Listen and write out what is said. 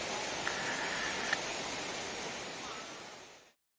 สวัสดีครับ